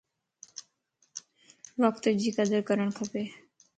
وقت جي قدر ڪرڻ کپ